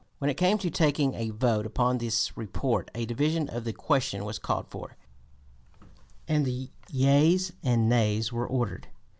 When it came to taking a vote upon this report a division of the question was called for, and the yeas and nays were ordered.